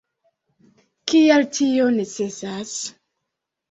Kial tio necesas?